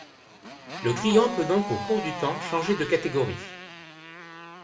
Le client peut donc au cours du temps changer de catégorie.